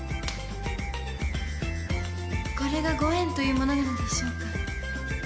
これがご縁というものなのでしょうか。